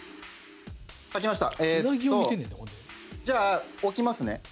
じゃあ置きますね。